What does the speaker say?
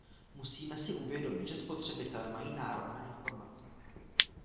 Musíme si uvědomit, že spotřebitelé mají nárok na informace.